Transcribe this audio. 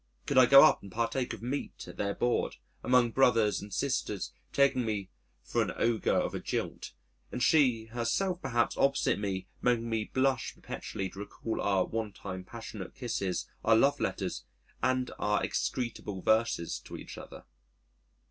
Could I go up and partake of meat at their board, among brothers and sisters taking me for an ogre of a jilt, and she herself perhaps opposite me making me blush perpetually to recall our one time passionate kisses, our love letters and our execrable verses to each other!